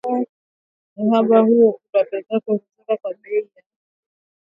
Wafanyabiashara wanadai kuwa uhaba huo ulipelekea kuongezeka kwa bei za bidhaa